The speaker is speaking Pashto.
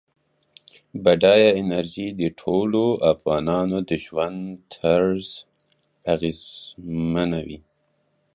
بادي انرژي د ټولو افغانانو د ژوند طرز اغېزمنوي.